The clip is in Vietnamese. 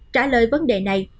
trả lời vấn đề này